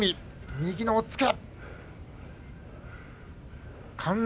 右の押っつけ。